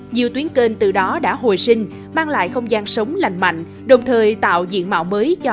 nhiều tuyến kênh từ đó đã hồi sinh mang lại không gian sống lành mạnh